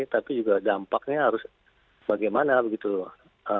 tapi juga dampaknya harus bagaimana begitu loh